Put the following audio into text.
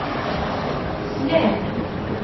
Slan.